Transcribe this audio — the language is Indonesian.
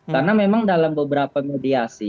karena memang dalam beberapa mediasi